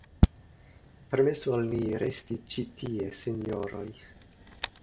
Permesu al ni resti ĉi tie, sinjoroj!